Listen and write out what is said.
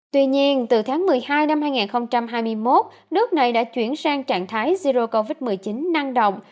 tuy nhiên từ tháng một mươi hai năm hai nghìn hai mươi một nước này đã chuyển sang trạng thái zero covid một mươi chín năng động